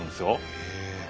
へえ。